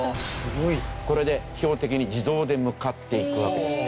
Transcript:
これで標的に自動で向かっていくわけです。